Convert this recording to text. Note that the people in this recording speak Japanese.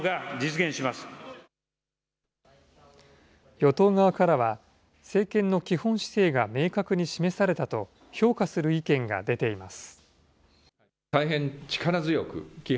与党側からは、政権の基本姿勢が明確に示されたと評価する意見が出ています。